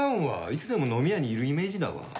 いつでも飲み屋にいるイメージだわ。